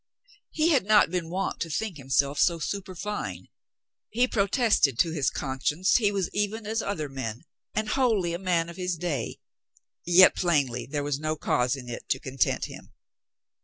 He had not been wont to think himself so superfine. He pro tested to his conscience he was even as other men and wholly a man of his day, yet plainly there was no cause in it to content him.